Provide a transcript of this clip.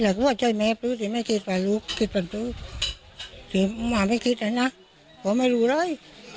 แล้วเจ้าเม่ฟาว่าก็แม่ทะศัตริย์ดูดิว่าไม่คิดไปลูกจ็งกับผู้เลย